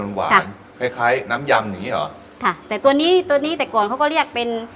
หวานคล้ายคล้ายน้ำยำอย่างงี้เหรอค่ะแต่ตัวนี้ตัวนี้แต่ก่อนเขาก็เรียกเป็น